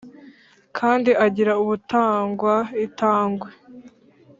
Kandi agira ubutangwa itangwe